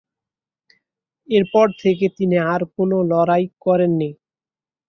এরপর থেকে তিনি আর কোনো লড়াই করেননি।